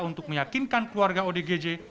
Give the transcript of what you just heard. untuk meyakinkan keluarga odgj